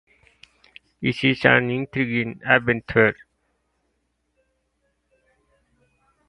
It is an intriguing adventure.